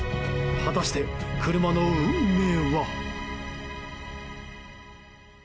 果たして、車の運命は？